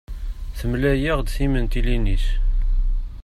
Temlaya-ɣ-d timentilin-is.